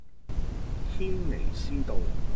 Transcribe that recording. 軒尼詩道